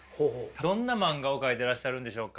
どんな漫画を描いてらっしゃるんでしょうか。